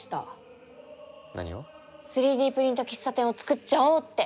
３Ｄプリント喫茶店をつくっちゃおうって！